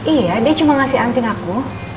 iya dia cuma ngasih anting aku